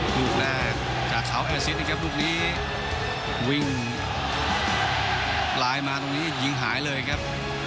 ตรูนะฮจากขาวแอนซิดนะครับลูกนี้วิ่งรายมาตรงนี้ยิงหายเลยครับ